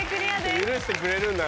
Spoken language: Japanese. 許してくれるんだな。